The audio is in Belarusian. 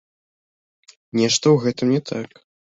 Нешта ў гэтым не так.